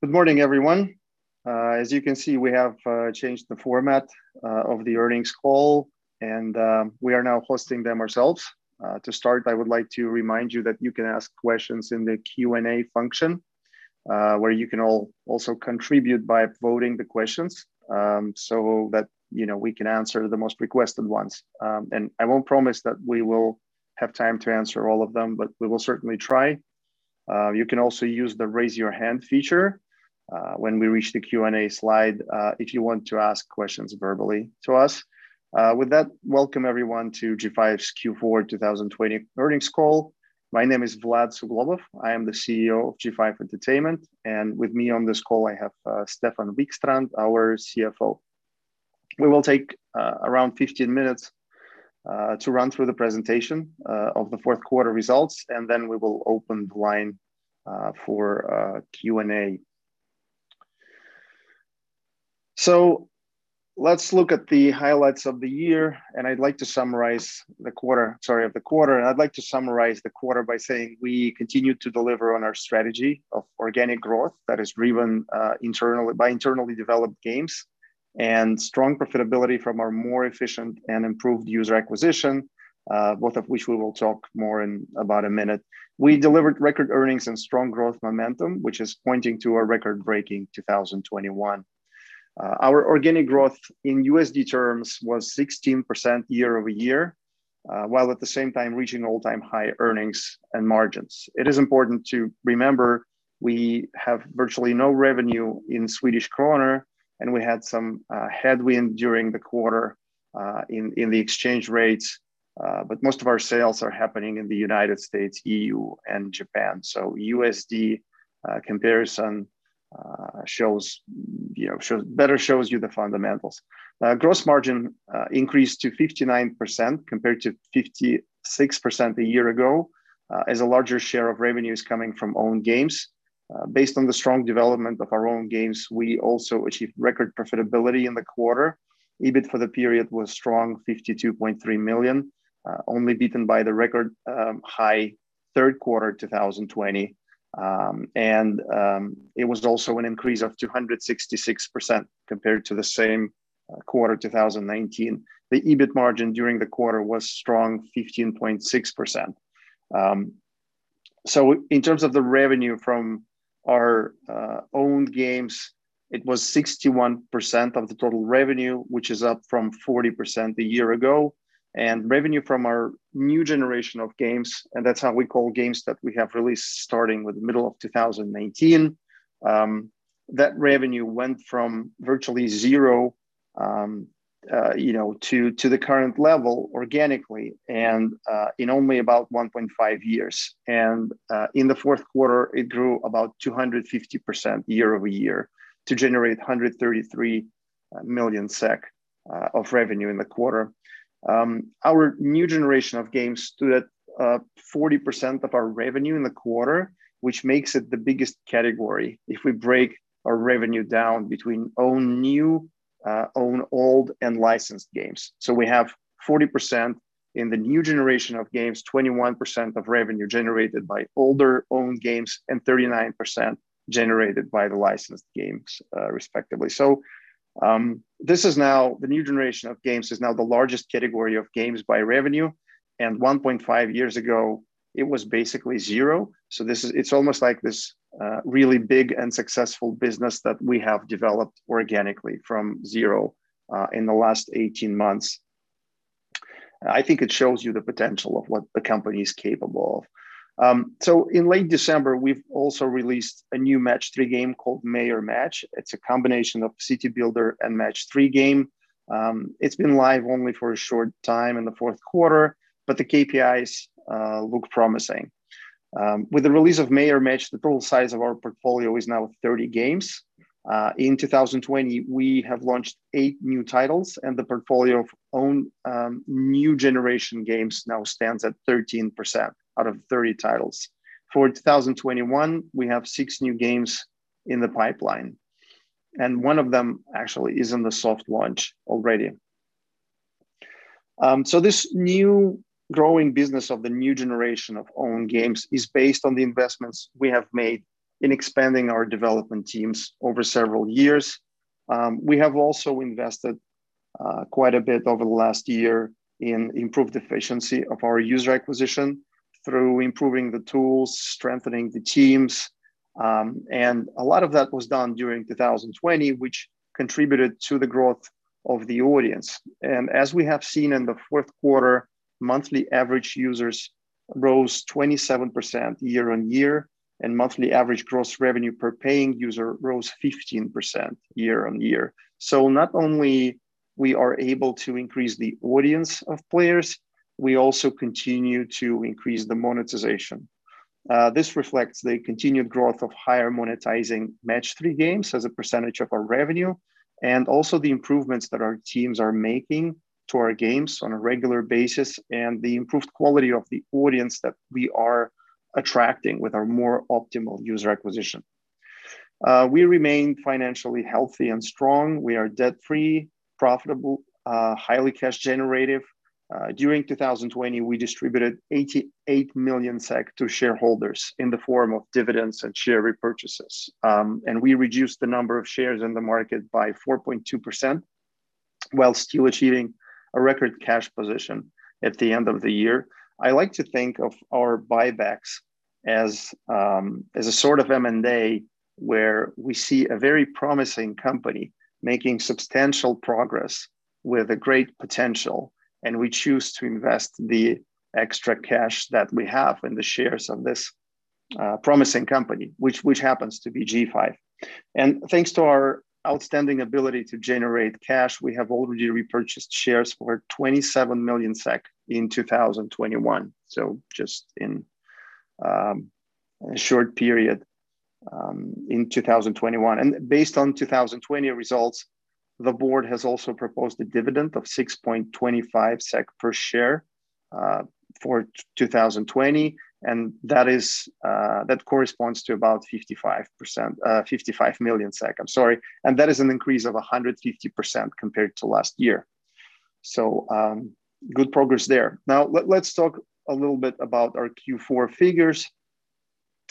Good morning, everyone. As you can see, we have changed the format of the earnings call, and we are now hosting them ourselves. To start, I would like to remind you that you can ask questions in the Q&A function, where you can also contribute by uploading the questions, so that we can answer the most requested ones. I won't promise that we will have time to answer all of them, but we will certainly try. You can also use the Raise Your Hand feature, when we reach the Q&A slide, if you want to ask questions verbally to us. With that, welcome everyone to G5's Q4 2020 earnings call. My name is Vlad Suglobov. I am the CEO of G5 Entertainment, and with me on this call, I have Stefan Wikstrand, our CFO. We will take around 15 minutes to run through the presentation of the fourth quarter results, and then we will open the line for Q&A. Let's look at the highlights of the year, and I'd like to summarize the quarter by saying we continued to deliver on our strategy of organic growth that is driven by internally developed games and strong profitability from our more efficient and improved user acquisition, both of which we will talk more in about a minute. We delivered record earnings and strong growth momentum, which is pointing to a record-breaking 2021. Our organic growth in USD terms was 16% year-over-year, while at the same time reaching all-time high earnings and margins. It is important to remember we have virtually no revenue in Swedish krona, and we had some headwind during the quarter in the exchange rates. Most of our sales are happening in the U.S., E.U., and Japan. USD comparison better shows you the fundamentals. Gross margin increased to 59% compared to 56% a year ago, as a larger share of revenue is coming from owned games. Based on the strong development of our own games, we also achieved record profitability in the quarter. EBIT for the period was strong, 52.3 million, only beaten by the record-high third quarter 2020. It was also an increase of 266% compared to the same quarter 2019. The EBIT margin during the quarter was strong, 15.6%. In terms of the revenue from our owned games, it was 61% of the total revenue, which is up from 40% a year ago. Revenue from our new generation of games, and that's how we call games that we have released starting with the middle of 2019. That revenue went from virtually zero to the current level organically and in only about 1.5 years. In the fourth quarter, it grew about 250% year-over-year to generate 133 million SEK of revenue in the quarter. Our new generation of games stood at 40% of our revenue in the quarter, which makes it the biggest category if we break our revenue down between own new, own old, and licensed games. We have 40% in the new generation of games, 21% of revenue generated by older own games, and 39% generated by the licensed games, respectively. The new generation of games is now the largest category of games by revenue, and 1.5 years ago, it was basically zero. It's almost like this really big and successful business that we have developed organically from zero in the last 18 months. I think it shows you the potential of what the company is capable of. In late December, we've also released a new Match 3 game called Mayor Match. It's a combination of city builder and Match 3 game. It's been live only for a short time in the fourth quarter, the KPIs look promising. With the release of Mayor Match, the total size of our portfolio is now 30 games. In 2020, we have launched eight new titles and the portfolio of own new generation games now stands at 13% out of 30 titles. For 2021, we have six new games in the pipeline, and one of them actually is in the soft launch already. This new growing business of the new generation of own games is based on the investments we have made in expanding our development teams over several years. We have also invested quite a bit over the last year in improved efficiency of our user acquisition through improving the tools, strengthening the teams. A lot of that was done during 2020, which contributed to the growth of the audience. As we have seen in the fourth quarter, monthly average users rose 27% year-over-year. Monthly average gross revenue per paying user rose 15% year-over-year. Not only we are able to increase the audience of players, we also continue to increase the monetization. This reflects the continued growth of higher monetizing Match 3 games as a percentage of our revenue. Also the improvements that our teams are making to our games on a regular basis and the improved quality of the audience that we are attracting with our more optimal user acquisition. We remain financially healthy and strong. We are debt-free, profitable, highly cash generative. During 2020, we distributed 88 million SEK to shareholders in the form of dividends and share repurchases. We reduced the number of shares in the market by 4.2%, while still achieving a record cash position at the end of the year. I like to think of our buybacks as a sort of M&A where we see a very promising company making substantial progress with a great potential, and we choose to invest the extra cash that we have in the shares of this promising company, which happens to be G5. Thanks to our outstanding ability to generate cash, we have already repurchased shares for 27 million SEK in 2021, so just in a short period in 2021. Based on 2020 results, the board has also proposed a dividend of 6.25 SEK per share for 2020, that corresponds to about 55 million SEK, that is an increase of 150% compared to last year. Good progress there. Let's talk a little bit about our Q4 figures,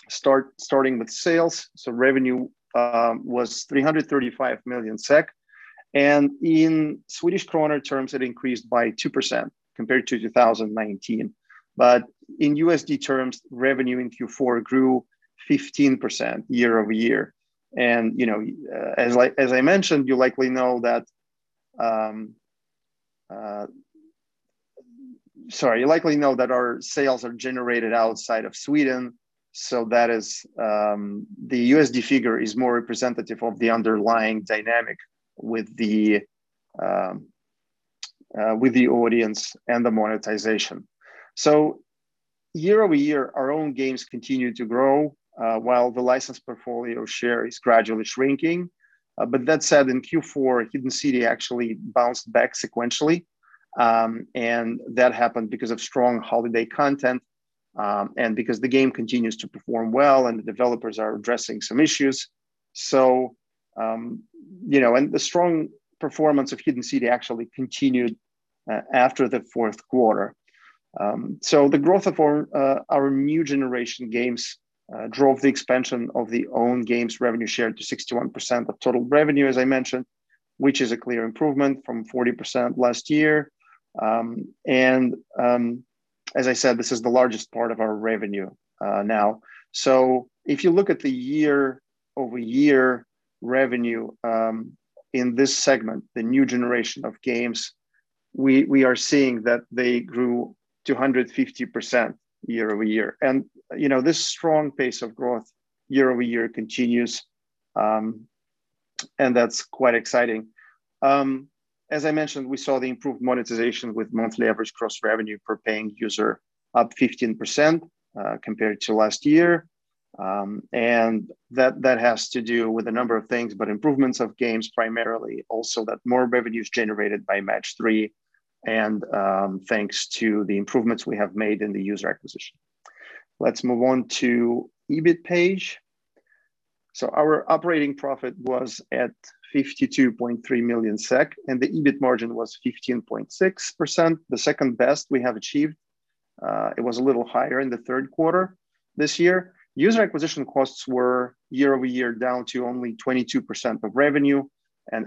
starting with sales. Revenue was 335 million SEK, in Swedish kronor terms, it increased by 2% compared to 2019. In USD terms, revenue in Q4 grew 15% year-over-year. As I mentioned, you likely know that our sales are generated outside of Sweden, so the USD figure is more representative of the underlying dynamic with the audience and the monetization. Year-over-year, our own games continue to grow, while the licensed portfolio share is gradually shrinking. That said, in Q4, Hidden City actually bounced back sequentially, and that happened because of strong holiday content, and because the game continues to perform well, and the developers are addressing some issues. The strong performance of Hidden City actually continued after the fourth quarter. The growth of our new generation games drove the expansion of the own games revenue share to 61% of total revenue, as I mentioned, which is a clear improvement from 40% last year. As I said, this is the largest part of our revenue now. If you look at the year-over-year revenue in this segment, the new generation of games, we are seeing that they grew 250% year-over-year. This strong pace of growth year-over-year continues, and that's quite exciting. As I mentioned, we saw the improved monetization with monthly average gross revenue per paying user up 15% compared to last year. That has to do with a number of things, but improvements of games primarily, also that more revenue is generated by Match 3, and thanks to the improvements we have made in the user acquisition. Let's move on to EBIT page. Our operating profit was at 52.3 million SEK, and the EBIT margin was 15.6%, the second-best we have achieved. It was a little higher in the third quarter this year. User acquisition costs were year-over-year down to only 22% of revenue, and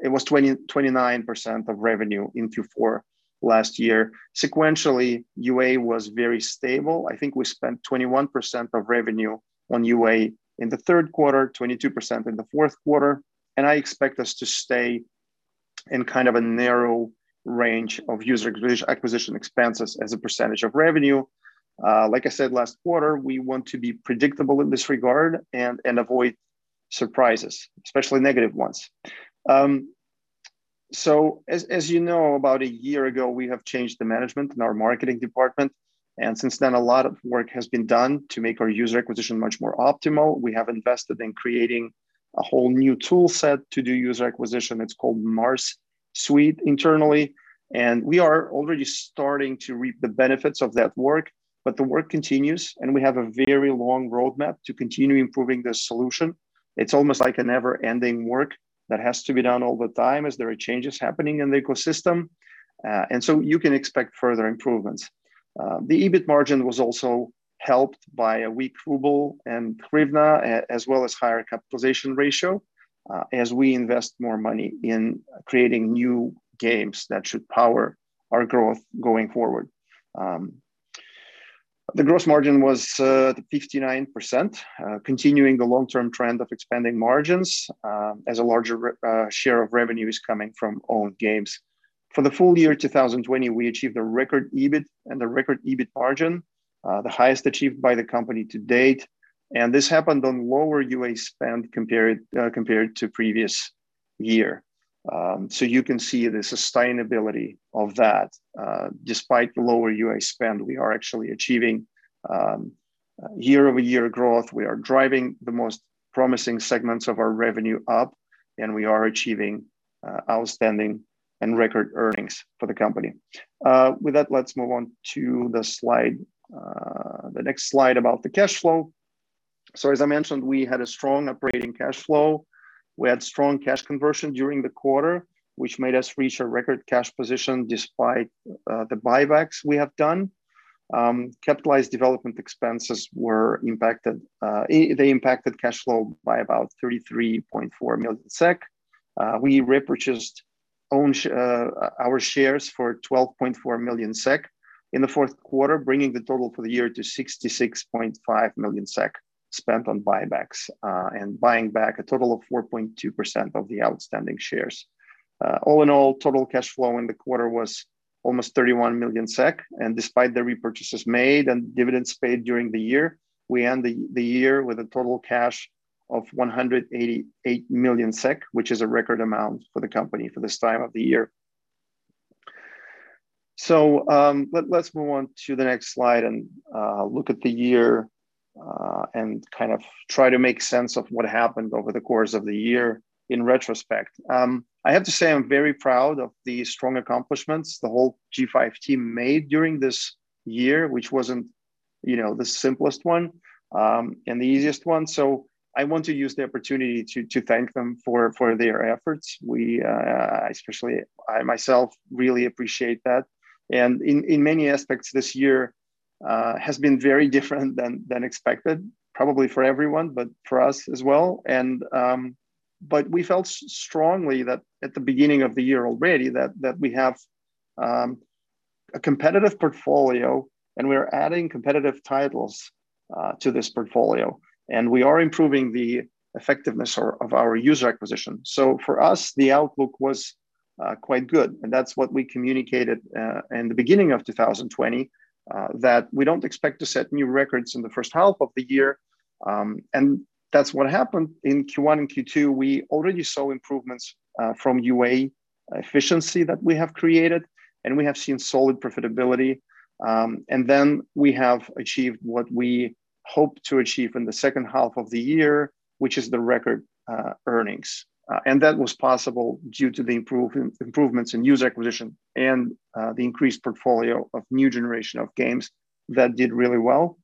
it was 29% of revenue in Q4 last year. Sequentially, UA was very stable. I think we spent 21% of revenue on UA in the third quarter, 22% in the fourth quarter, and I expect us to stay in a narrow range of user acquisition expenses as a percentage of revenue. Like I said last quarter, we want to be predictable in this regard and avoid surprises, especially negative ones. As you know, about a year ago, we have changed the management in our marketing department, and since then, a lot of work has been done to make our user acquisition much more optimal. We have invested in creating a whole new tool set to do user acquisition. It's called M.A.R.S suite internally, and we are already starting to reap the benefits of that work, but the work continues, and we have a very long roadmap to continue improving this solution. It's almost like a never-ending work that has to be done all the time as there are changes happening in the ecosystem, and so you can expect further improvements. The EBIT margin was also helped by a weak ruble and hryvnia, as well as higher capitalization ratio, as we invest more money in creating new games that should power our growth going forward. The gross margin was 59%, continuing the long-term trend of expanding margins, as a larger share of revenue is coming from own games. For the full year 2020, we achieved a record EBIT and a record EBIT margin, the highest achieved by the company to date, and this happened on lower UA spend compared to previous year. You can see the sustainability of that. Despite lower UA spend, we are actually achieving year-over-year growth, we are driving the most promising segments of our revenue up, and we are achieving outstanding record earnings for the company. With that, let's move on to the next slide about the cash flow. As I mentioned, we had a strong operating cash flow. We had strong cash conversion during the quarter, which made us reach a record cash position despite the buybacks we have done. Capitalized development expenses, they impacted cash flow by about 33.4 million SEK. We repurchased our shares for 12.4 million SEK in the fourth quarter, bringing the total for the year to 66.5 million SEK spent on buybacks, and buying back a total of 4.2% of the outstanding shares. All in all, total cash flow in the quarter was almost 31 million SEK. Despite the repurchases made and dividends paid during the year, we end the year with a total cash of 188 million SEK, which is a record amount for the company for this time of the year. Let's move on to the next slide and look at the year, and try to make sense of what happened over the course of the year in retrospect. I have to say, I am very proud of the strong accomplishments the whole G5 team made during this year, which wasn't the simplest one, and the easiest one. I want to use the opportunity to thank them for their efforts. We, especially I myself, really appreciate that. In many aspects, this year has been very different than expected, probably for everyone, but for us as well. We felt strongly that at the beginning of the year already, that we have a competitive portfolio and we're adding competitive titles to this portfolio. We are improving the effectiveness of our user acquisition. For us, the outlook was quite good and that's what we communicated in the beginning of 2020, that we don't expect to set new records in the first half of the year, and that's what happened in Q1 and Q2. We already saw improvements from UA efficiency that we have created, and we have seen solid profitability. We have achieved what we hoped to achieve in the second half of the year, which is the record earnings. That was possible due to the improvements in user acquisition and the increased portfolio of new generation of games that did really well.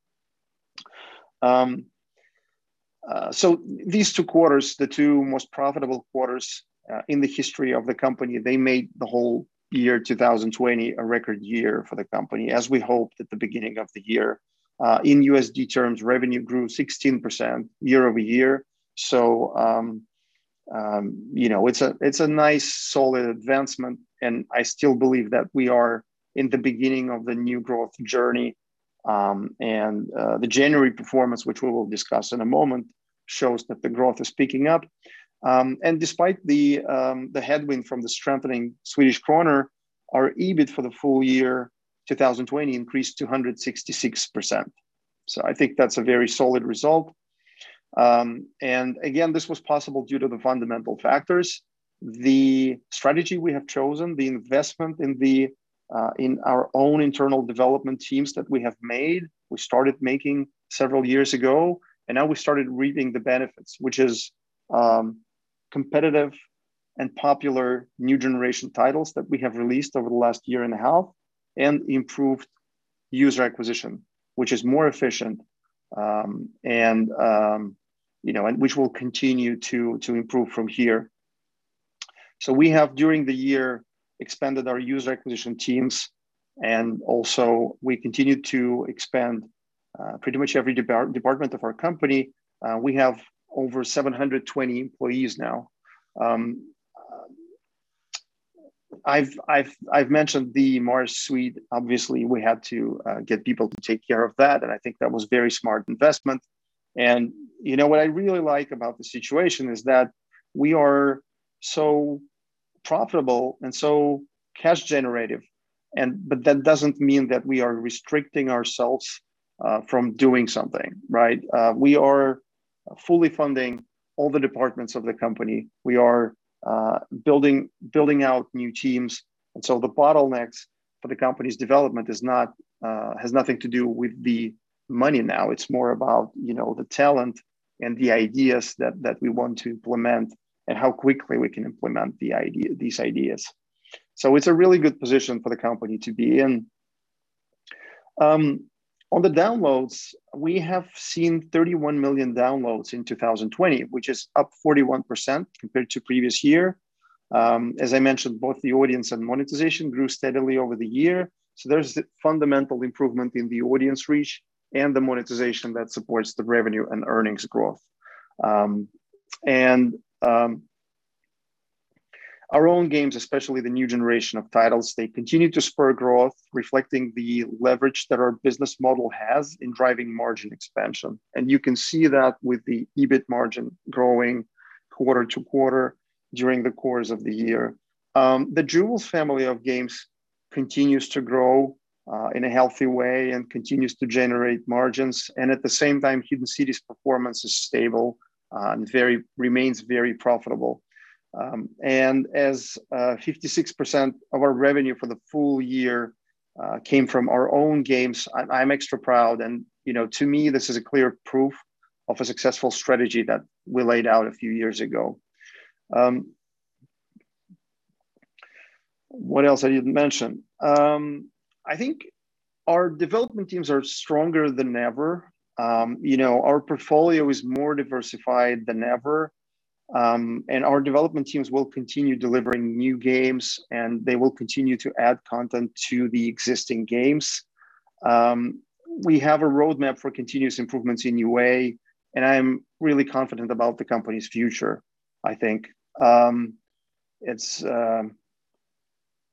These two quarters, the two most profitable quarters in the history of the company, they made the whole year 2020 a record year for the company, as we hoped at the beginning of the year. In USD terms, revenue grew 16% year-over-year. It's a nice solid advancement and I still believe that we are in the beginning of the new growth journey. The January performance, which we will discuss in a moment, shows that the growth is picking up. Despite the headwind from the strengthening Swedish kronor, our EBIT for the full year 2020 increased to 166%. I think that's a very solid result. Again, this was possible due to the fundamental factors, the strategy we have chosen, the investment in our own internal development teams that we have made, we started making several years ago, and now we started reaping the benefits, which is competitive and popular new generation titles that we have released over the last year and a half, and improved user acquisition, which is more efficient, and which will continue to improve from here. We have, during the year, expanded our user acquisition teams, and also we continued to expand pretty much every department of our company. We have over 720 employees now. I've mentioned the M.A.R.S suite. Obviously, we had to get people to take care of that, and I think that was very smart investment. What I really like about the situation is that we are so profitable and so cash generative, but that doesn't mean that we are restricting ourselves from doing something. We are fully funding all the departments of the company. We are building out new teams. The bottlenecks for the company's development has nothing to do with the money now, it's more about the talent and the ideas that we want to implement and how quickly we can implement these ideas. It's a really good position for the company to be in. On the downloads, we have seen 31 million downloads in 2020, which is up 41% compared to previous year. As I mentioned, both the audience and monetization grew steadily over the year, so there's a fundamental improvement in the audience reach and the monetization that supports the revenue and earnings growth. Our own games, especially the new generation of titles, they continue to spur growth, reflecting the leverage that our business model has in driving margin expansion. You can see that with the EBIT margin growing quarter-to-quarter during the course of the year. The Jewels family of games continues to grow, in a healthy way and continues to generate margins, and at the same time, Hidden City's performance is stable, and remains very profitable. As 56% of our revenue for the full year came from our own games, I'm extra proud. To me, this is a clear proof of a successful strategy that we laid out a few years ago. What else I didn't mention? I think our development teams are stronger than ever. Our portfolio is more diversified than ever, and our development teams will continue delivering new games, and they will continue to add content to the existing games. We have a roadmap for continuous improvements in UA, and I'm really confident about the company's future, I think.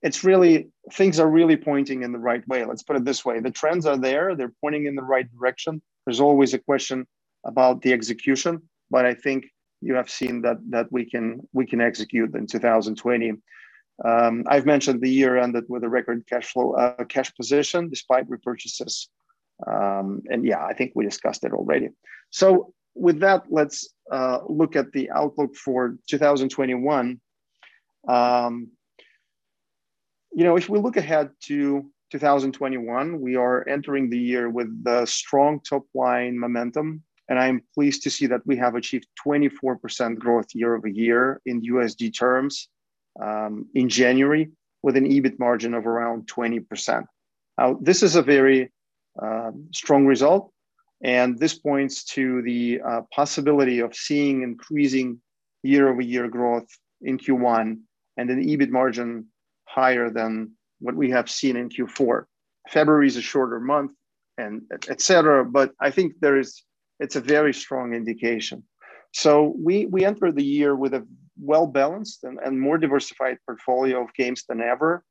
Things are really pointing in the right way. Let's put it this way. The trends are there. They're pointing in the right direction. There's always a question about the execution, but I think you have seen that we can execute in 2020. I've mentioned the year ended with a record cash position despite repurchases. Yeah, I think we discussed it already. With that, let's look at the outlook for 2021. If we look ahead to 2021, we are entering the year with strong top-line momentum, I am pleased to see that we have achieved 24% growth year-over-year in USD terms, in January, with an EBIT margin of around 20%. This is a very strong result, this points to the possibility of seeing increasing year-over-year growth in Q1, an EBIT margin higher than what we have seen in Q4. February is a shorter month, et cetera, I think it's a very strong indication. We enter the year with a well-balanced and more diversified portfolio of games than ever.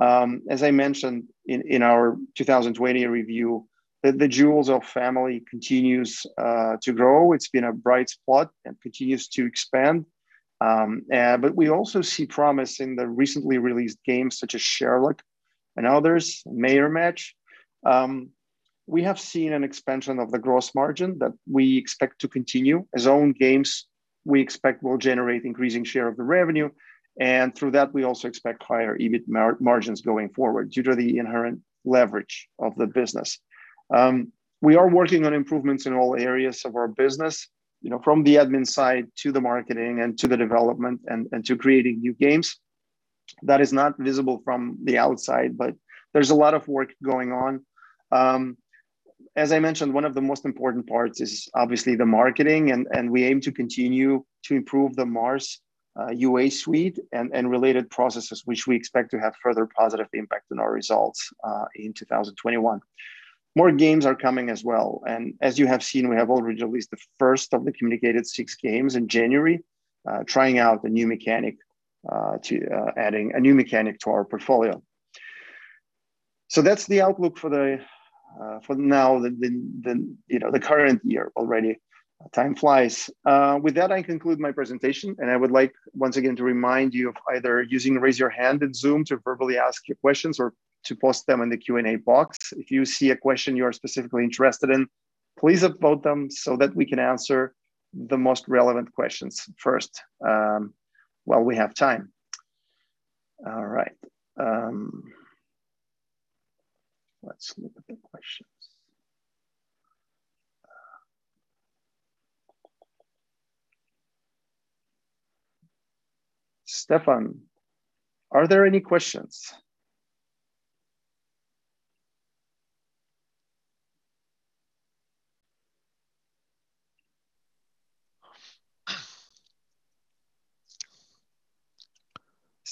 As I mentioned in our 2020 review, the Jewels family continues to grow. It's been a bright spot and continues to expand. We also see promise in the recently released games such as Sherlock and others, Mayor Match. We have seen an expansion of the gross margin that we expect to continue. Its own games, we expect will generate increasing share of the revenue. Through that, we also expect higher EBIT margins going forward due to the inherent leverage of the business. We are working on improvements in all areas of our business, from the admin side to the marketing and to the development and to creating new games. That is not visible from the outside, but there's a lot of work going on. As I mentioned, one of the most important parts is obviously the marketing, and we aim to continue to improve the M.A.R.S UA suite and related processes, which we expect to have further positive impact on our results, in 2021. More games are coming as well, as you have seen, we have already released the first of the communicated six games in January, trying out adding a new mechanic to our portfolio. That's the outlook for now, the current year already. Time flies. With that, I conclude my presentation, I would like once again to remind you of either using raise your hand in Zoom to verbally ask your questions or to post them in the Q&A box. If you see a question you are specifically interested in, please upvote them so that we can answer the most relevant questions first, while we have time. All right. Let's look at the questions. Stefan, are there any questions?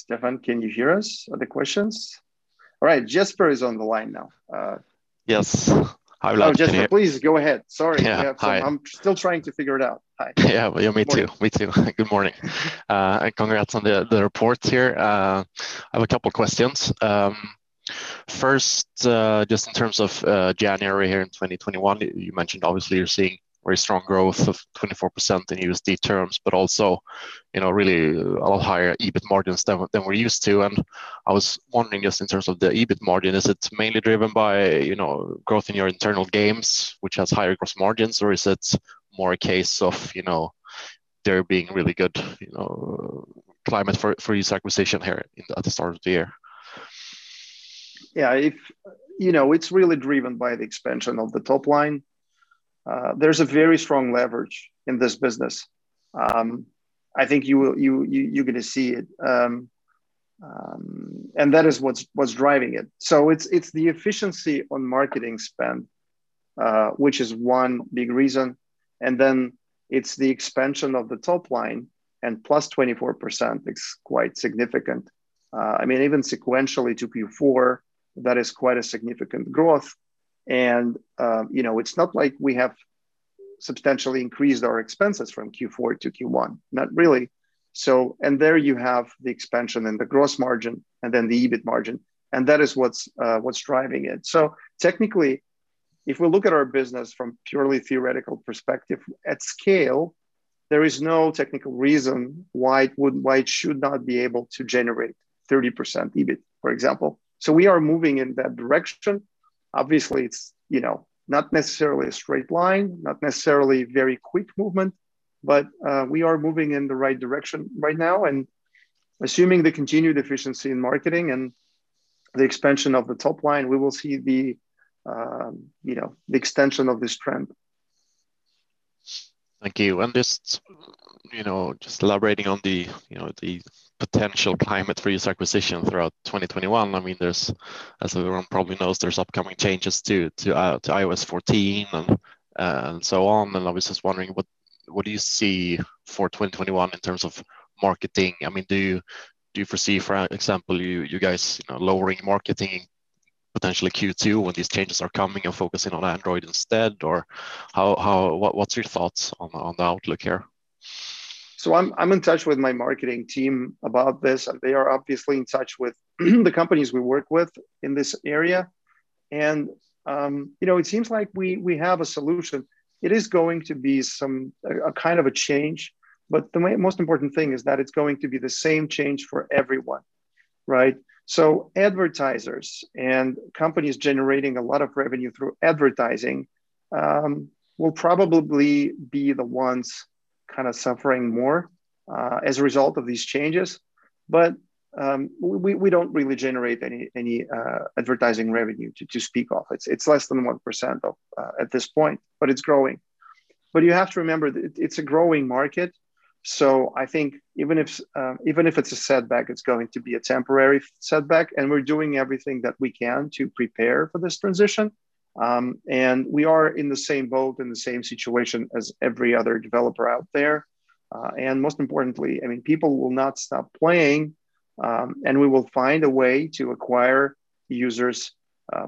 Stefan, can you hear us? Are there questions? All right. Jesper is on the line now. Yes. Hi, Vlad. Oh, Jesper, please go ahead. Sorry. Yeah. Hi. I'm still trying to figure it out. Hi. Yeah. Me too. Morning. Me too. Good morning. Congrats on the report here. I have a couple questions. First, just in terms of January here in 2021, you mentioned obviously you're seeing very strong growth of 24% in USD terms, but also really a lot higher EBIT margins than we're used to. I was wondering just in terms of the EBIT margin, is it mainly driven by growth in your internal games, which has higher gross margins, or is it more a case of there being really good climate for user acquisition here at the start of the year? Yeah. It's really driven by the expansion of the top line. There's a very strong leverage in this business. I think you're going to see it. That is what's driving it. It's the efficiency on marketing spend, which is one big reason, and then it's the expansion of the top line, and plus 24%, it's quite significant. Even sequentially to Q4, that is quite a significant growth. It's not like we have substantially increased our expenses from Q4 to Q1, not really. There you have the expansion and the gross margin, and then the EBIT margin, and that is what's driving it. Technically, if we look at our business from purely theoretical perspective, at scale, there is no technical reason why it should not be able to generate 30% EBIT, for example. We are moving in that direction. Obviously, it's not necessarily a straight line, not necessarily very quick movement, but we are moving in the right direction right now, and assuming the continued efficiency in marketing and the expansion of the top line, we will see the extension of this trend. Thank you. Just elaborating on the potential climate for acquisition throughout 2021, as everyone probably knows, there's upcoming changes to iOS 14 and so on, and I was just wondering, what do you see for 2021 in terms of marketing? Do you foresee, for example, you guys lowering marketing potentially Q2 when these changes are coming and focusing on Android instead? Or what's your thoughts on the outlook here? I'm in touch with my marketing team about this. They are obviously in touch with the companies we work with in this area, and it seems like we have a solution. It is going to be a kind of a change, but the most important thing is that it's going to be the same change for everyone. Right? Advertisers and companies generating a lot of revenue through advertising will probably be the ones kind of suffering more as a result of these changes. We don't really generate any advertising revenue to speak of. It's less than 1% at this point, but it's growing. You have to remember, it's a growing market, so I think even if it's a setback, it's going to be a temporary setback, and we're doing everything that we can to prepare for this transition. We are in the same boat, in the same situation as every other developer out there. Most importantly, people will not stop playing, and we will find a way to acquire users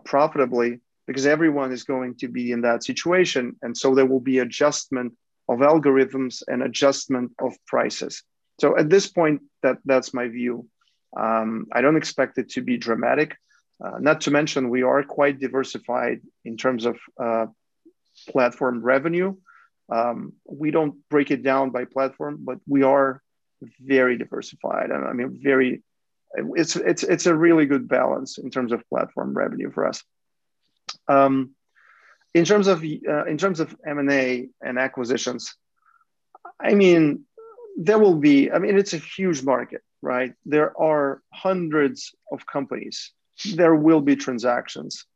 profitably because everyone is going to be in that situation, and so there will be adjustment of algorithms and adjustment of prices. At this point, that's my view. I don't expect it to be dramatic. Not to mention, we are quite diversified in terms of platform revenue. We don't break it down by platform, but we are very diversified. It's a really good balance in terms of platform revenue for us. In terms of M&A and acquisitions, it's a huge market, right? There are hundreds of companies. There will be transactions.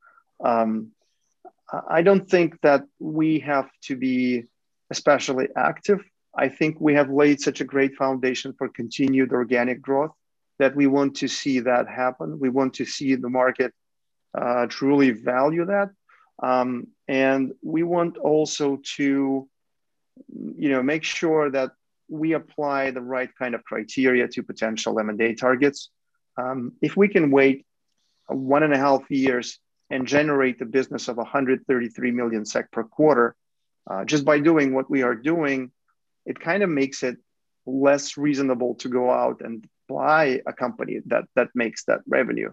I don't think that we have to be especially active. I think we have laid such a great foundation for continued organic growth that we want to see that happen. We want to see the market truly value that. We want also to make sure that we apply the right kind of criteria to potential M&A targets. If we can wait 1.5 years and generate the business of 133 million SEK per quarter just by doing what we are doing, it kind of makes it less reasonable to go out and buy a company that makes that revenue.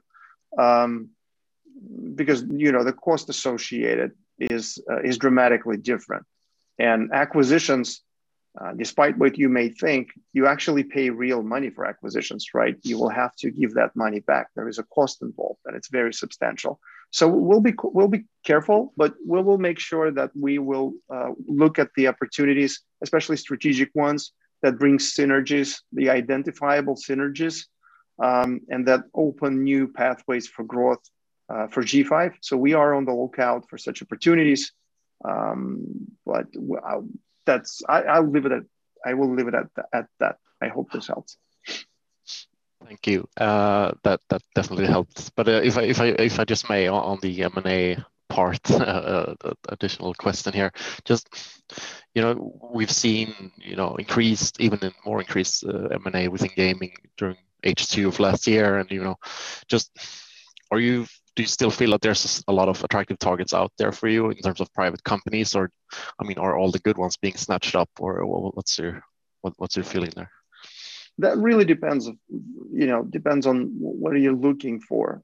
Because the cost associated is dramatically different. Acquisitions, despite what you may think, you actually pay real money for acquisitions, right? You will have to give that money back. There is a cost involved, and it's very substantial. We'll be careful, but we will make sure that we will look at the opportunities, especially strategic ones that bring synergies, the identifiable synergies, and that open new pathways for growth for G5. We are on the lookout for such opportunities, but I will leave it at that. I hope this helps. Thank you. That definitely helps. If I just may, on the M&A part, additional question here. We've seen even a more increased M&A within gaming during H2 of last year, and do you still feel that there's a lot of attractive targets out there for you in terms of private companies, or are all the good ones being snatched up, or what's your feeling there? That really depends on what are you looking for.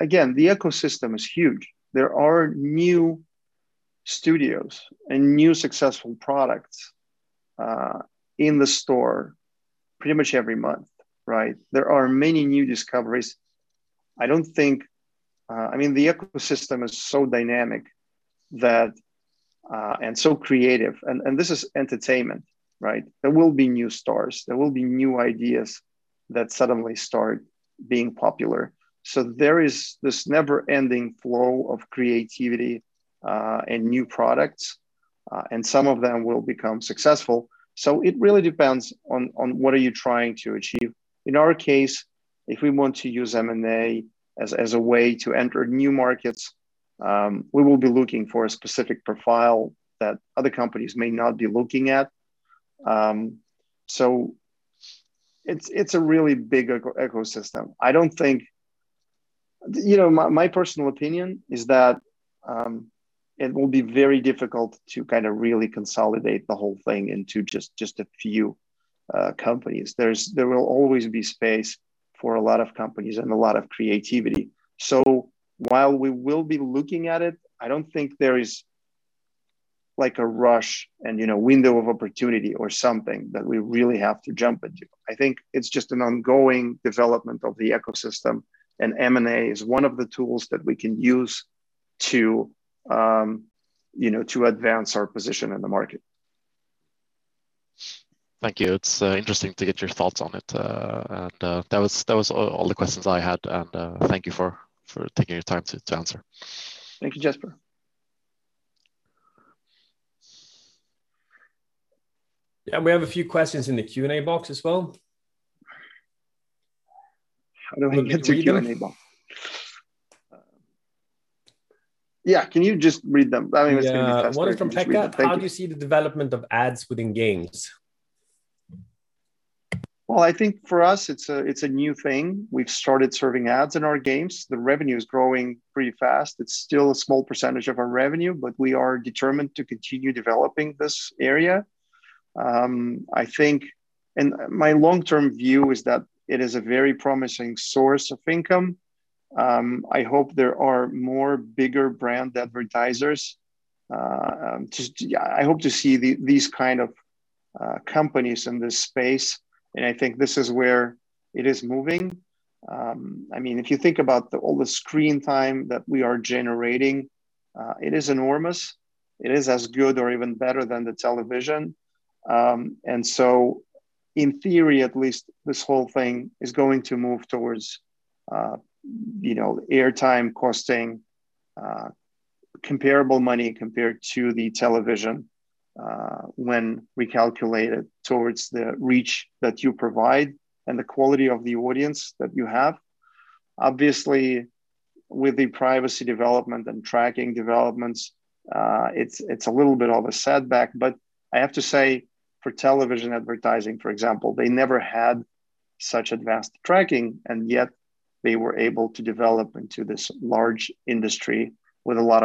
Again, the ecosystem is huge. There are new studios and new successful products in the store pretty much every month. Right? There are many new discoveries. The ecosystem is so dynamic and so creative, and this is entertainment, right? There will be new stars, there will be new ideas that suddenly start being popular. There is this never-ending flow of creativity and new products, and some of them will become successful. It really depends on what are you trying to achieve. In our case, if we want to use M&A as a way to enter new markets, we will be looking for a specific profile that other companies may not be looking at. It's a really big ecosystem. My personal opinion is that it will be very difficult to kind of really consolidate the whole thing into just a few companies. There will always be space for a lot of companies and a lot of creativity. While we will be looking at it, I don't think there is a rush and window of opportunity or something that we really have to jump into. I think it's just an ongoing development of the ecosystem. M&A is one of the tools that we can use to advance our position in the market Thank you. It's interesting to get your thoughts on it. That was all the questions I had, and thank you for taking your time to answer. Thank you, Jesper. Yeah, we have a few questions in the Q&A box as well. How do I get to Q&A box? Can you read them? Yeah. Can you just read them? I mean. Yeah if you just read them. Thank you. One is from Pekka. How do you see the development of ads within games? Well, I think for us it's a new thing. We've started serving ads in our games. The revenue is growing pretty fast. It's still a small percentage of our revenue, but we are determined to continue developing this area. My long-term view is that it is a very promising source of income. I hope there are more bigger brand advertisers. I hope to see these kind of companies in this space, and I think this is where it is moving. If you think about all the screen time that we are generating, it is enormous. It is as good or even better than the television. In theory at least, this whole thing is going to move towards air time costing comparable money compared to the television, when we calculate it towards the reach that you provide and the quality of the audience that you have. Obviously, with the privacy development and tracking developments, it's a little bit of a setback. I have to say for television advertising, for example, they never had such advanced tracking and yet they were able to develop into this large industry with a lot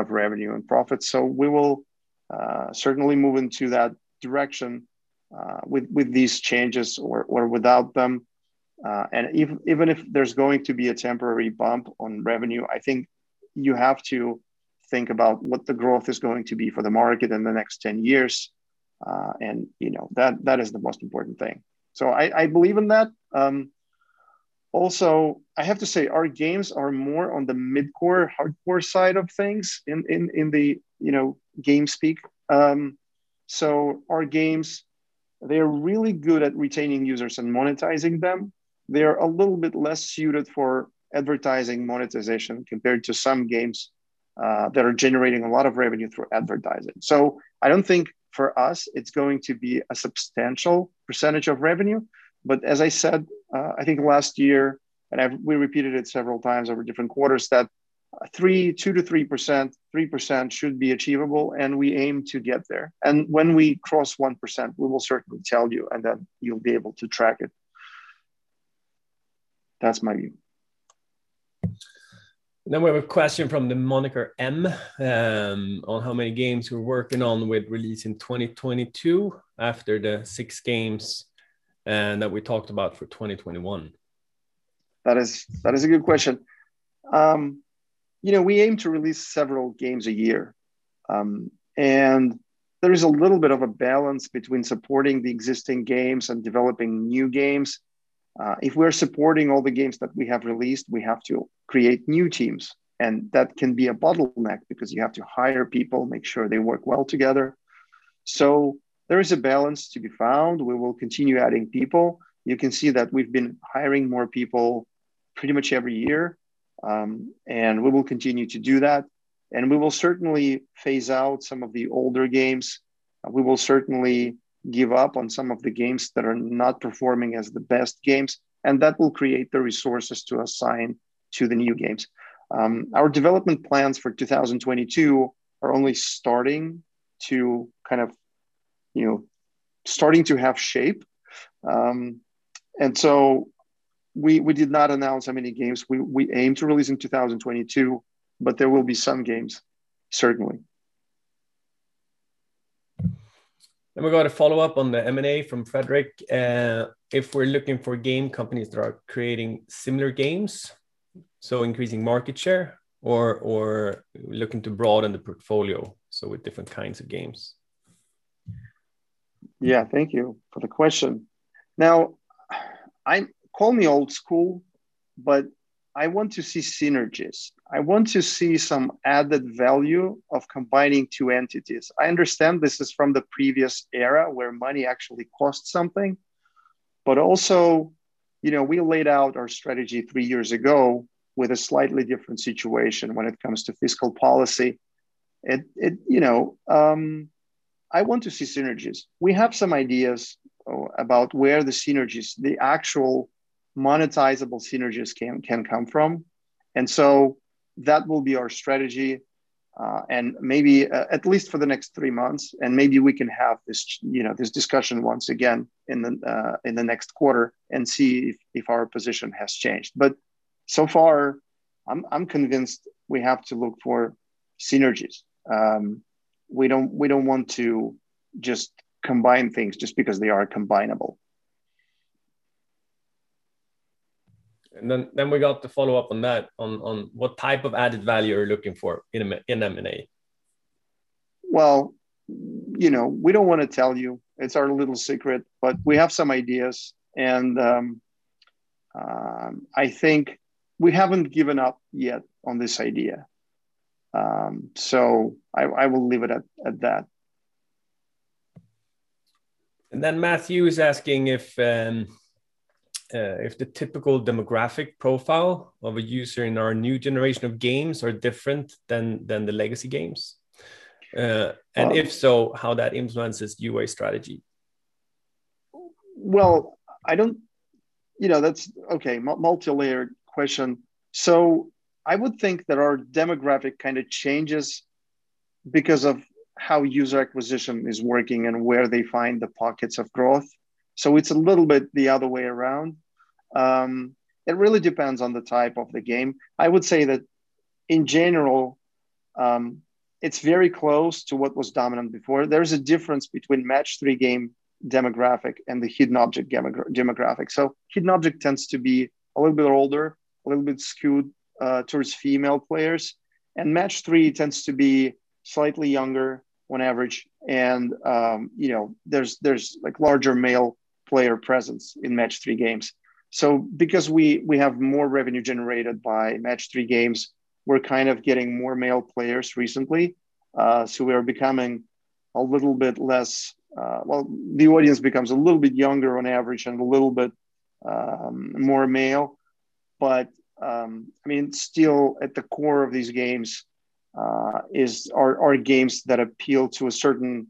of revenue and profit. We will certainly move into that direction with these changes or without them. Even if there's going to be a temporary bump on revenue, I think you have to think about what the growth is going to be for the market in the next 10 years, and that is the most important thing. I believe in that. Also, I have to say our games are more on the mid-core, hardcore side of things in the game speak. Our games, they're really good at retaining users and monetizing them. They're a little bit less suited for advertising monetization compared to some games that are generating a lot of revenue through advertising. I don't think for us it's going to be a substantial percentage of revenue, but as I said, I think last year, and we repeated it several times over different quarters, that 2%-3%, 3% should be achievable, and we aim to get there. When we cross 1%, we will certainly tell you, and then you'll be able to track it. That's my view. We have a question from the moniker M on how many games we're working on with release in 2022 after the six games, and that we talked about for 2021. That is a good question. We aim to release several games a year, and there is a little bit of a balance between supporting the existing games and developing new games. If we're supporting all the games that we have released, we have to create new teams, and that can be a bottleneck because you have to hire people, make sure they work well together. There is a balance to be found. We will continue adding people. You can see that we've been hiring more people pretty much every year. We will continue to do that, and we will certainly phase out some of the older games. We will certainly give up on some of the games that are not performing as the best games, and that will create the resources to assign to the new games. Our development plans for 2022 are only starting to have shape. We did not announce how many games we aim to release in 2022, but there will be some games certainly. We got a follow-up on the M&A from Fredrik. If we're looking for game companies that are creating similar games, so increasing market share or looking to broaden the portfolio, so with different kinds of games. Yeah, thank you for the question. Call me old school, I want to see synergies. I want to see some added value of combining two entities. I understand this is from the previous era where money actually costs something, we laid out our strategy three years ago with a slightly different situation when it comes to fiscal policy. I want to see synergies. We have some ideas about where the synergies, the actual monetizable synergies can come from, that will be our strategy at least for the next three months. Maybe we can have this discussion once again in the next quarter and see if our position has changed. So far I'm convinced we have to look for synergies. We don't want to just combine things just because they are combinable. We got the follow-up on that, on what type of added value you're looking for in M&A. Well, we don't want to tell you, it's our little secret, but we have some ideas and I think we haven't given up yet on this idea. I will leave it at that. Matthew is asking if the typical demographic profile of a user in our new generation of games are different than the legacy games. If so, how that influences UA strategy. Well, okay, multilayered question. I would think that our demographic kind of changes because of how user acquisition is working and where they find the pockets of growth. It's a little bit the other way around. It really depends on the type of the game. I would say that in general, it's very close to what was dominant before. There is a difference between Match 3 game demographic and the hidden object demographic. hidden object tends to be a little bit older, a little bit skewed towards female players, and Match 3 tends to be slightly younger on average, and there's larger male player presence in Match 3 games. Because we have more revenue generated by Match 3 games, we're kind of getting more male players recently. We are becoming a little bit less, the audience becomes a little bit younger on average and a little bit more male. Still, at the core of these games are games that appeal to a certain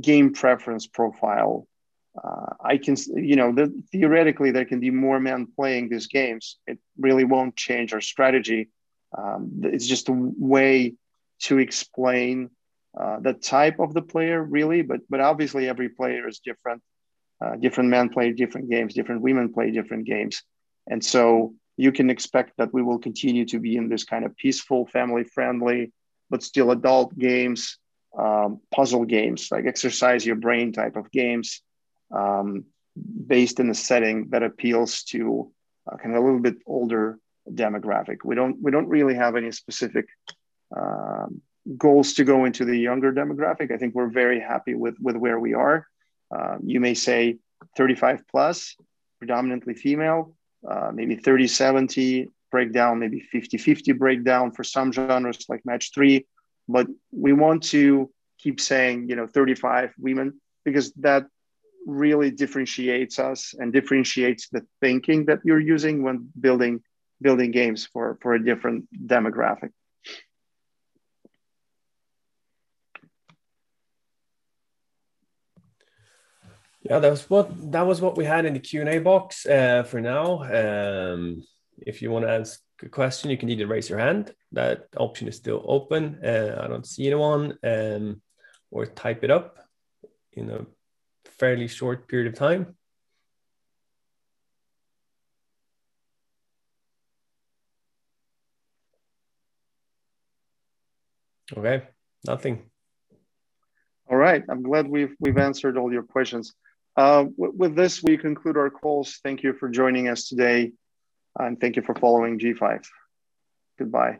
game preference profile. Theoretically, there can be more men playing these games. It really won't change our strategy. It's just a way to explain the type of the player, really, but obviously, every player is different. Different men play different games, different women play different games. You can expect that we will continue to be in this kind of peaceful, family-friendly, but still adult games, puzzle games, like exercise your brain type of games, based in a setting that appeals to a little bit older demographic. We don't really have any specific goals to go into the younger demographic. I think we're very happy with where we are. You may say 35+, predominantly female, maybe 30/70 breakdown, maybe 50/50 breakdown for some genres like Match 3. We want to keep saying 35 women because that really differentiates us and differentiates the thinking that you're using when building games for a different demographic. Yeah, that was what we had in the Q&A box for now. If you want to ask a question, you can either raise your hand, that option is still open, I don't see anyone, or type it up in a fairly short period of time. Okay. Nothing. All right. I'm glad we've answered all your questions. With this, we conclude our calls. Thank you for joining us today. Thank you for following G5. Goodbye.